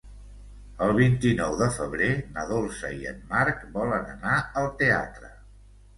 El vint-i-nou de febrer na Dolça i en Marc volen anar al teatre.